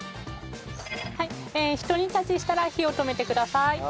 ひと煮立ちしたら火を止めてください。